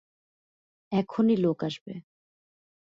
এখনই লোক আসবে।